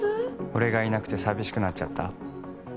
「俺がいなくて淋しくなっちゃった？」